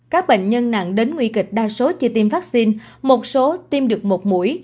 các bệnh nhân nặng đến nguy kịch đa số chưa tiêm vaccine một số tiêm được một mũi